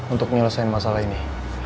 untuk menyelesaikan masalah ini